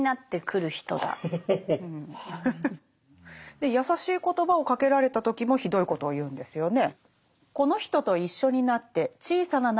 で優しい言葉をかけられた時もひどいことを言うんですよね。